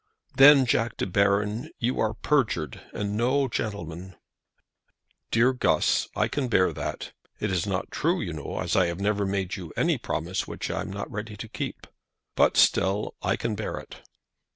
"Then, Jack De Baron, you are perjured, and no gentleman." "Dear Guss, I can bear that. It is not true, you know, as I have never made you any promise which I am not ready to keep; but still I can bear it."